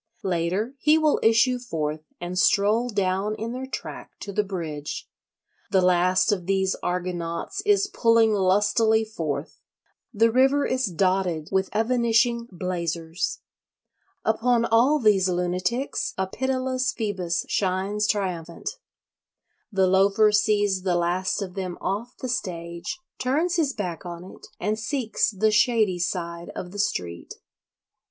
Later he will issue forth and stroll down in their track to the bridge. The last of these Argonauts is pulling lustily forth; the river is dotted with evanishing blazers. Upon all these lunatics a pitiless Phoebus shines triumphant. The Loafer sees the last of them off the stage, turns his back on it, and seeks the shady side of the street.